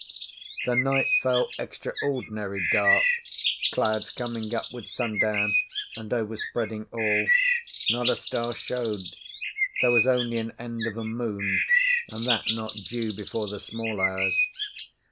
The night fell extraordinary dark, clouds coming up with sundown and overspreading all; not a star showed; there was only an end of a moon, and that not due before the small hours.